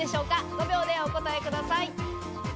５秒でお答えください。